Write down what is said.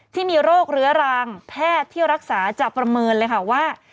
ที่มีโรคเรื้อรังแพทย์ที่รักษาจะประเมินเลยค่ะว่า